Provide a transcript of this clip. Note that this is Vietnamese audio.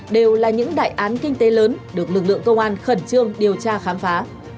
đều là những đại án kinh tế lớn được lực lượng công an khẩn trương điều tra khám phá